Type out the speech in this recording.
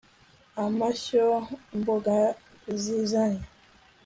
amashyo mbogazizanye